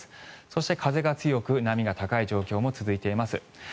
そして、風が強く波が高い状況も続いています。